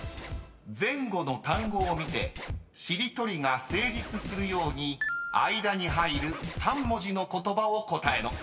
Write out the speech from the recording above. ［前後の単語を見てしりとりが成立するように間に入る３文字の言葉を答えろ］